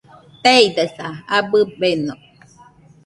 Teidesa, abɨ beno